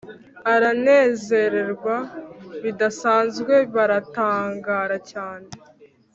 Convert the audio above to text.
aranezerwa bindasazwe baratangara cyane